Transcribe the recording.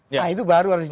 nah itu baru harus dikorek